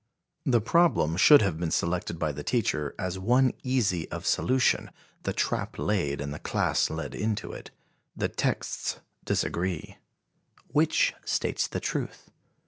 The problem should have been selected by the teacher, as one easy of solution, the trap laid and the class led into it. The texts disagree; which states the truth?